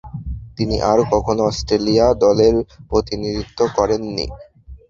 তিনি আর কখনও অস্ট্রেলিয়া দলের প্রতিনিধিত্ব করেননি।